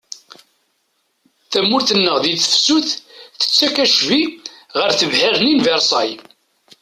Tamurt-nneɣ di tefsut tettak acbi ɣer tebḥirt-nni n Virṣay.